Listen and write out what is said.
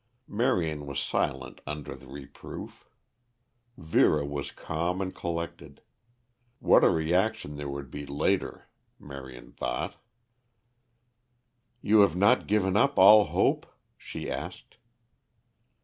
Marion was silent under the reproof. Vera was calm and collected. What a reaction there would be later, Marion thought. "You have not given up all hope?" she asked.